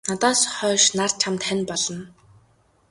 Надаас хойш нар чамд хань болно.